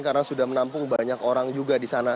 karena sudah menampung banyak orang juga di sana